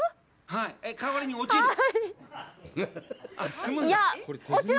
代わりに落ちる？